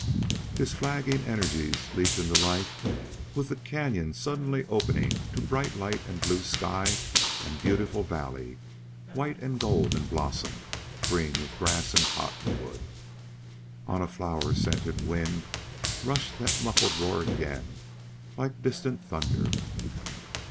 His flagging energies leaped into life with the canyon suddenly opening to bright light and blue sky and beautiful valley, white and gold in blossom, green with grass and cottonwood. On a flower scented wind rushed that muffled roar again, like distant thunder.